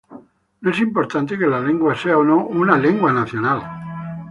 No es importante que la lengua sea o no una lengua nacional.